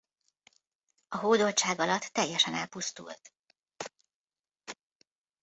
A hódoltság alatt teljesen elpusztult.